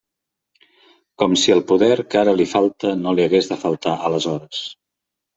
Com si el poder que ara li falta no li hagués de faltar aleshores!